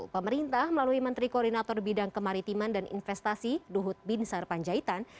pemerintah melalui menteri koordinator bidang kemaritiman dan investasi luhut bin sarpanjaitan